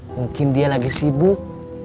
mungkin dia lagi sibuk